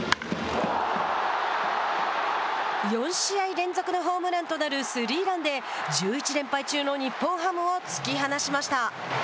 ４試合連続のホームランとなるスリーランで１１連敗中の日本ハムを突き放しました。